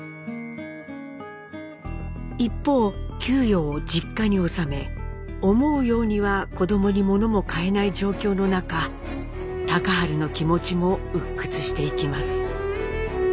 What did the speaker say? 一方給与を実家に収め思うようには子どもに物も買えない状況の中隆治の気持ちも鬱屈していきます。